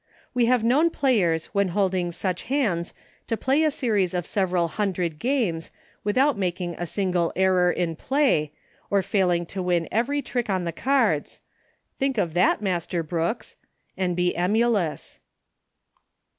We have known players when holding such hands to play a series of several hundred games, without making a single error in play, 01 failing to win every trick on the cards 11 Think of that Master Brooks," and be emu lous.